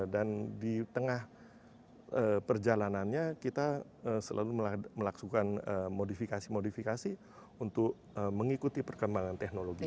dan di tengah perjalanannya kita selalu melaksukkan modifikasi modifikasi untuk mengikuti perkembangan teknologi